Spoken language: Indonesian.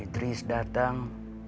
kang idris datang